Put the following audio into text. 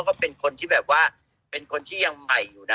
คุณแม่ถ่ายเสร็จวันไหนนะ